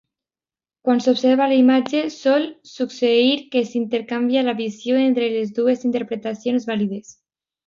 Quan s'observa la imatge, sol succeir que s'intercanvia la visió entre les dues interpretacions vàlides.